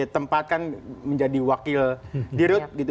dia tempatkan menjadi wakil di rut